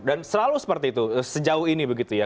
selalu seperti itu sejauh ini begitu ya